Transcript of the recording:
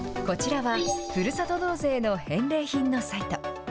こちらは、ふるさと納税の返礼品のサイト。